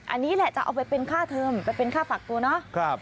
อันนี้แหละจะเอาไปเป็นค่าเทิมไปเป็นค่าฝากตัวเนาะ